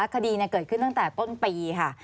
คดีเกิดขึ้นตั้งแต่ต้นปีค่ะ